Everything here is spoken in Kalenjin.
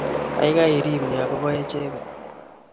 Kaikai rib ni ako bo acheget